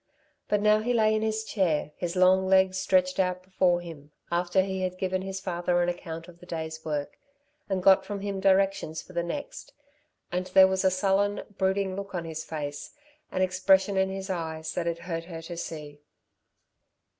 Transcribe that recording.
But now he lay in his chair, his long legs stretched out before him, after he had given his father an account of the day's work, and got from him directions for the next; and there was a sullen, brooding look on his face, an expression in his eyes that it hurt her to see.